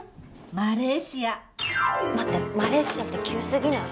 マレーシア待ってマレーシアって急すぎない？